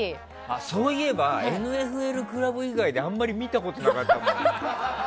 そういえば「ＮＦＬ倶楽部」以外であまり見たことなかったね。